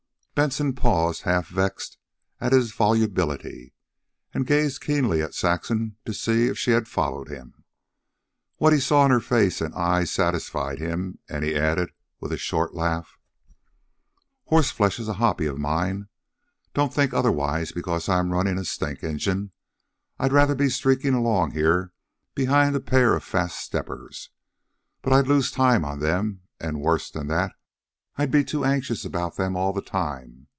Benson paused, half vexed at his volubility, and gazed keenly at Saxon to see if she had followed him. What he saw in her face and eyes satisfied him, and he added, with a short laugh: "Horseflesh is a hobby of mine. Don't think otherwise because I am running a stink engine. I'd rather be streaking along here behind a pair of fast steppers. But I'd lose time on them, and, worse than that, I'd be too anxious about them all the time.